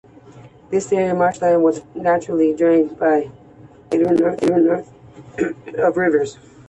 This area of marshland was naturally drained by a labyrinth of rivers.